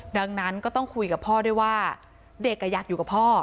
ดังนั้นก็ต้องคุยกับพ่อด้วยว่าเด็กอยากอยู่กับพ่อ